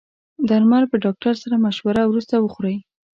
درمل په ډاکټر سره مشوره وروسته وخورئ.